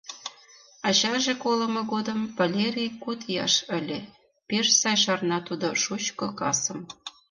Ачаже колымо годым Валерий куд ияш ыле, пеш сай шарна тудо шучко касым.